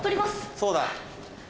そうだ。